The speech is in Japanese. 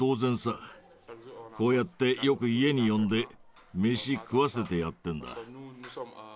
こうやってよく家に呼んで飯食わせてやってんだ。